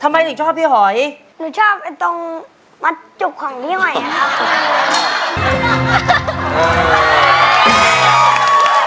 ทำไมถึงชอบพี่หอยหนูชอบไอ้ตรงมัดจุกของพี่หอยไงครับ